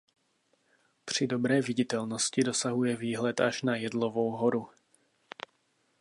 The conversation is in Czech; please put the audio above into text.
Při dobré viditelnosti dosahuje výhled až na Jedlovou horu.